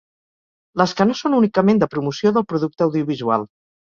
Les que no són únicament de promoció del producte audiovisual.